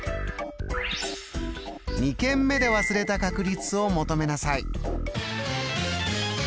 ２軒目で忘れた確率を求めなさい。